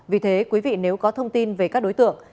vì thế quý vị nếu có thông tin về các đối tượng